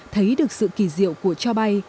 thấy được sự kỳ diệu của cho bay